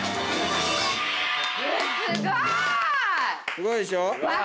すごいでしょ。